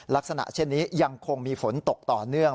ลักษณะเช่นนี้ยังคงมีฝนตกต่อเนื่อง